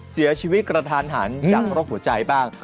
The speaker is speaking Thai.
เสียชีวิตกระทานหันจากโรคหัวใจบ้าง